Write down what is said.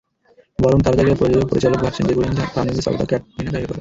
বরং তাঁর জায়গায় প্রযোজক-পরিচালক ভাবছেন জ্যাকুলিন ফার্নান্দেজ অথবা ক্যাটরিনা কাইফের কথা।